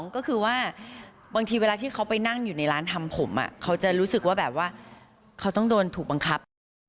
ก็คือว่าบางทีเวลาที่เขาไปนั่งอยู่ในร้านทำผมเขาจะรู้สึกว่าแบบว่าเขาต้องโดนถูกบังคับ